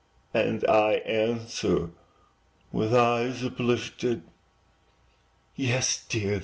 And I answer, with eyes uplifted, "Yes, dear!